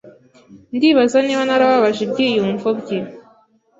Ndibaza niba narababaje ibyiyumvo bye.